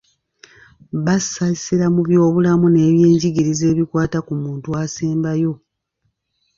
Bassa essira mu by’obulamu n’ebyenjigiriza ebikwata ku muntu asembayo.